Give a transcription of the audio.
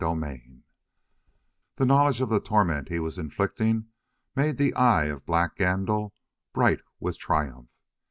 CHAPTER 17 The knowledge of the torment he was inflicting made the eye of Black Gandil bright with triumph.